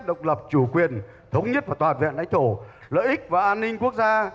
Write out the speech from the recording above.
độc lập chủ quyền thống nhất và toàn vẹn đánh thổ lợi ích và an ninh quốc gia